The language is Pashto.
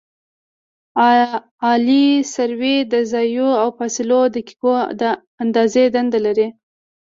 عالي سروې د زاویو او فاصلو د دقیقې اندازې دنده لري